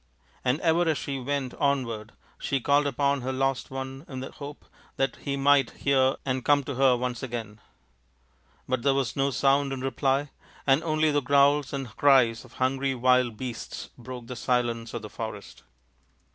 And ever as she went onward she called upon her lost one in the hope that he might hear and come to her once again. But there was no sound in reply, and only the growls and cries of hungry wild beasts broke the silence of the forest.